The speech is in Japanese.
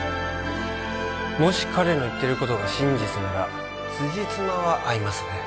もし彼の言っていることが真実ならつじつまは合いますね